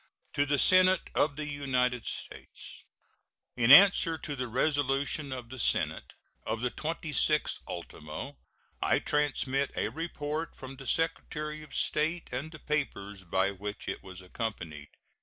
To the Senate of the United States: In answer to the resolution of the Senate of the 26th ultimo, I transmit a report from the Secretary of State and the papers by which it was accompanied.